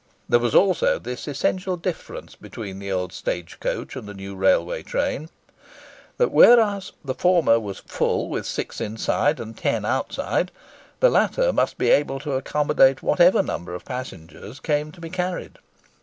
There was also this essential difference between the old stage coach and the new railway train, that, whereas the former was "full" with six inside and ten outside, the latter must be able to accommodate whatever number of passengers came to be carried.